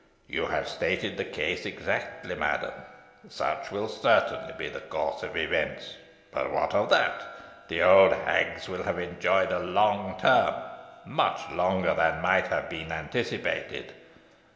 You have stated the case exactly, madam. Such will certainly be the course of events. But what of that? The old hags will have enjoyed a long term much longer than might have been anticipated.